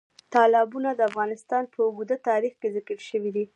تالابونه د افغانستان په اوږده تاریخ کې ذکر شوی دی.